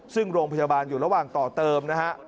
ซึ่งโรงพยาบาลอยู่ระหว่างต่อเติมนะฮะ